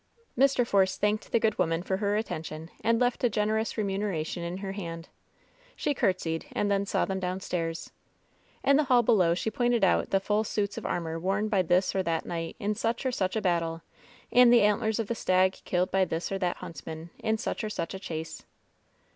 Mr. Force thanked the good woman for her attention and left a generous remuneration in her hand. She courtesied and then saw them downstairs. In the hall below she pointed out the full suits of armor worn by this or that knight in such or such a bat tle; and the antlers of the stag killed by this or that huntsman, in such or such a chase.